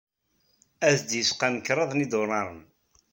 Ad d-yesqam kṛad n yidulaṛen.